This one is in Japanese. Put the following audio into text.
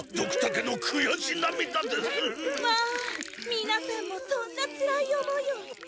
みなさんもそんなつらい思いを。